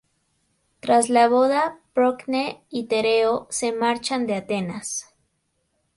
Tras la boda, Procne y Tereo se marchan de Atenas.